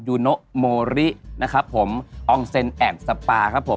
ยูโนโมรินะครับผมอองเซ็นแอดสปาครับผม